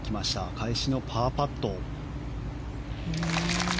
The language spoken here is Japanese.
返しのパーパット。